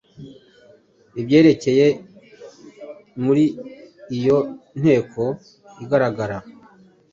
Ibyerekeye ii, muri iyo nteko igaragara